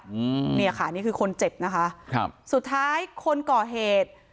อืมเนี่ยค่ะนี่คือคนเจ็บนะคะครับสุดท้ายคนก่อเหตุ